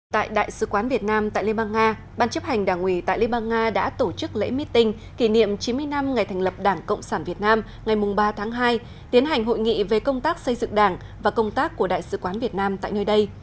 tại đại sứ quán việt nam tại liên bang nga ban chấp hành đảng ủy tại liên bang nga đã tổ chức lễ meeting kỷ niệm chín mươi năm ngày thành lập đảng cộng sản việt nam ngày ba tháng hai tiến hành hội nghị về công tác xây dựng đảng và công tác của đại sứ quán việt nam tại nơi đây